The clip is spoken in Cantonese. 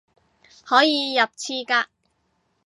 可以入廁格